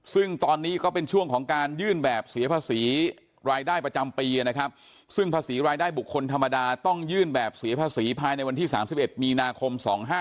ซึ่งตอนนี้ก็เป็นช่วงของการยื่นแบบเสียภาษีรายได้ประจำปีนะครับซึ่งภาษีรายได้บุคคลธรรมดาต้องยื่นแบบเสียภาษีภายในวันที่๓๑มีนาคม๒๕๖